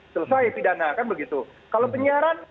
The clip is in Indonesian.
selesai pidana kan begitu kalau penyiaran